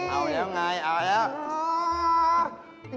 เอาแล้วไงเอาแล้ว